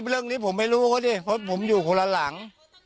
เรื่องนี้ผมไม่รู้เขาดิเพราะผมอยู่คนละหลัง